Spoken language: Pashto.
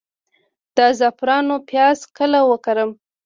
د زعفرانو پیاز کله وکرم؟